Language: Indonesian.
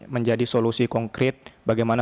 menjadi solusi konkret bagaimana